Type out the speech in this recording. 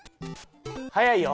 早いよ。